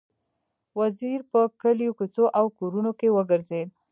وزیر په کلیو، کوڅو او کورونو کې وګرځېد.